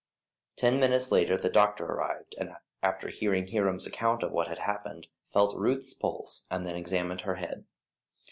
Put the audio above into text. Ten minutes later the doctor arrived, and after hearing Hiram's account of what had happened, felt Ruth's pulse and then examined her head.